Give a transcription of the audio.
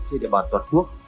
trên địa bàn toàn quốc